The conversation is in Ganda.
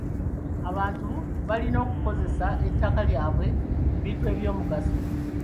Abantu balina okukozesa ettaka lyabwe ebintu eby'omugaso.